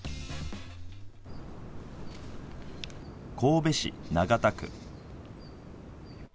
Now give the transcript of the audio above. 神戸市長田区。